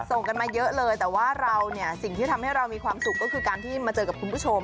ส่งกันมาเยอะเลยแต่ว่าเราเนี่ยสิ่งที่ทำให้เรามีความสุขก็คือการที่มาเจอกับคุณผู้ชม